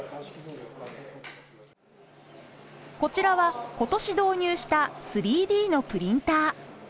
こちらは今年導入した３Ｄのプリンター。